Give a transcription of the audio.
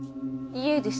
家です。